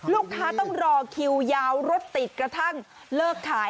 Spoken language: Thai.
ลูกค้าต้องรอคิวยาวรถติดกระทั่งเลิกขาย